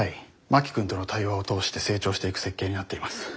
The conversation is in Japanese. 真木君との対話を通して成長していく設計になっています。